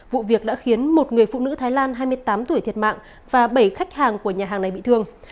vụ việc đã khiến một người phụ nữ thái lan hai mươi tám tuổi thiệt mạng và bảy khách hàng của nhà hàng này bị thương